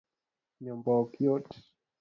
Nyombo ok yot